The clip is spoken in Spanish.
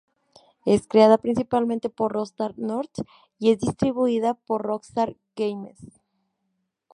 Es creada principalmente por Rockstar North y es distribuida por Rockstar Games.